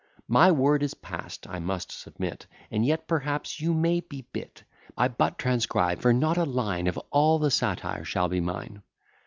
My word is past, I must submit; And yet perhaps you may be bit. I but transcribe; for not a line Of all the satire shall be mine.